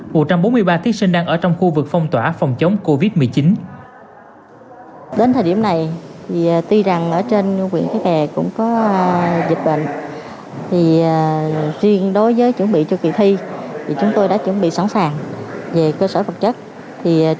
một trăm bốn mươi ba thí sinh đang ở trong khu vực phong tỏa phòng chống covid một mươi chín